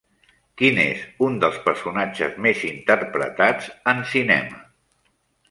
Quin és un dels personatges més interpretats en cinema?